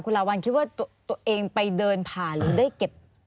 ลาวัลคิดว่าตัวเองไปเดินผ่านหรือได้เก็บ